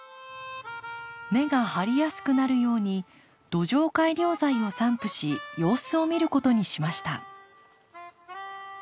根が張りやすくなるように土壌改良材を散布し様子を見ることにしました。